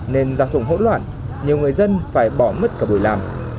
nên gia thủng hỗn loạn nhiều người dân phải bỏ mất cả buổi làm